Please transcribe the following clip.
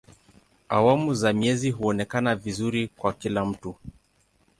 Awamu za mwezi huonekana vizuri kwa kila mtu.